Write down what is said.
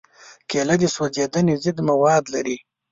کېله د سوځېدنې ضد مواد لري.